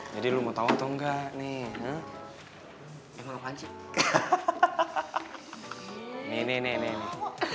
jadi lu mau tahu atau enggak nih